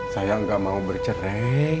saya gak mau bercerai